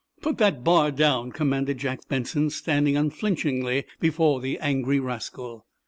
"Put that bar down!" commanded Jack Benson, standing unflinchingly before the angry rascal.